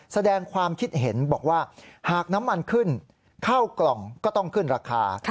แสดงความคิดเห็นบอกว่าหากน้ำมันขึ้นข้าวกล่องก็ต้องขึ้นราคา